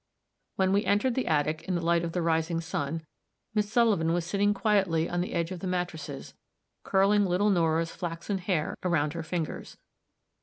When we entered the attic, in the light of the rising sun, Miss Sullivan was sitting quietly on the edge of the mattresses, curling little Nora's flaxen hair around her fingers.